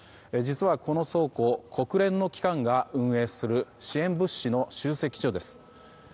実はこの倉庫国連の機関が運営する支援物資の集積所です。